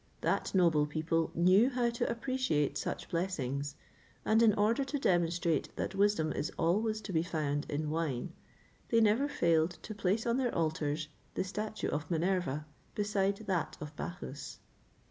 [XXVIII 22] That noble people knew how to appreciate such blessings, and in order to demonstrate that wisdom is always to be found in wine, they never failed to place on their altars the statue of Minerva beside that of Bacchus.